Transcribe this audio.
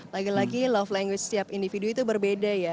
lagi lagi love language setiap individu itu berbeda ya